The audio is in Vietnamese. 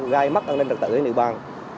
gai mất an ninh trật tự ở địa bàn